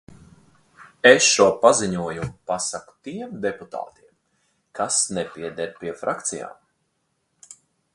Es šo paziņojumu pasaku tiem deputātiem, kas nepieder pie frakcijām.